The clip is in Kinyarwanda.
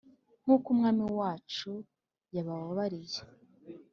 Nk’uko Umwami wacu yabababariye